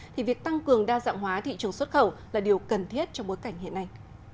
thì việc tăng cường đa dạng hóa thị trường xuất khẩu là điều cần thiết trong bối cảnh hiện nay